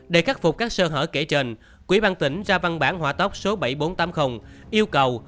để khắc phục các sơ hở kể trên quỹ ban tỉnh ra văn bản hỏa tốc số bảy nghìn bốn trăm tám mươi yêu cầu